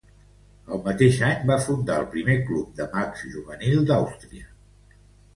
El mateix any va fundar el primer club de mags juvenil d'Àustria.